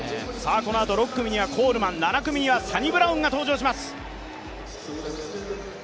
このあと６組にはコールマン７組にはサニブラウンが登場します。